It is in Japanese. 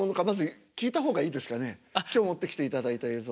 今日持ってきていただいた映像。